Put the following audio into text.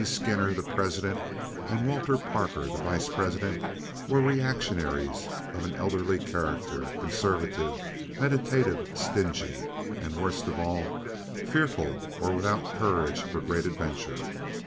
Skinner, the president, and Walter Parker, the vice president, were reactionaries of an elderly character, conservative, meditative, stingy, and, worst of all, fearful or without courage for great adventure.